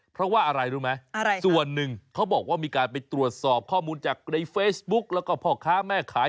เพราะว่าอะไรรู้ไหมส่วนหนึ่งเขาบอกว่ามีการไปตรวจสอบข้อมูลจากในเฟซบุ๊กแล้วก็พ่อค้าแม่ขาย